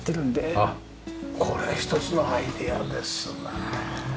あっこれ一つのアイデアですね。